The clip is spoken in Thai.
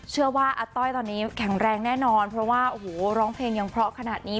อาต้อยตอนนี้แข็งแรงแน่นอนเพราะว่าโอ้โหร้องเพลงยังเพราะขนาดนี้